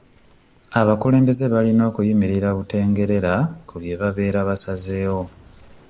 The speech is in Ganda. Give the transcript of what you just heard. Abakulembeze balina okuyimirira butengerera ku bye babeera basazeewo.